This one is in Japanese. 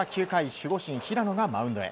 守護神・平野がマウンドへ。